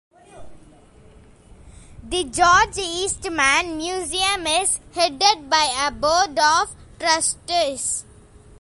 The George Eastman Museum is headed by a board of trustees.